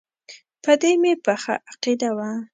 په دې مې پخه عقیده وه.